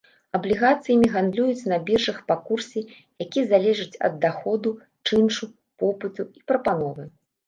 Аблігацыямі гандлююць на біржах па курсе, які залежыць ад даходу, чыншу, попыту і прапановы.